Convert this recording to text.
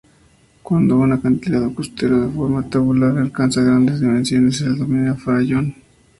Cuando un acantilado costero de forma tabular alcanza grandes dimensiones se le denomina farallón.